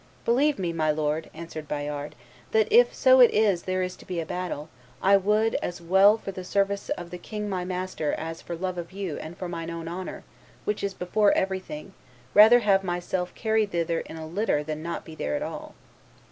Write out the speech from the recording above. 'Believe me, my lord,' answered Bayard, 'that if so it is that there is to be a battle, I would, as well for the service of the king my master as for love of you and for mine own honor, which is before everything, rather have myself carried thither in a litter than not be there at all.